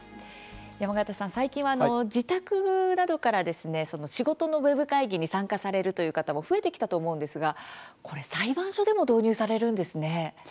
山形さん、最近は自宅などから仕事のウェブ会議に参加する人も増えてきたと思いますが裁判所でも導入されるんですね。